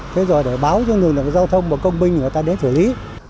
thế rồi để báo cho người là giao thông và công binh người ta đến thử lý